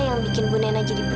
yang bikin bu nena jadi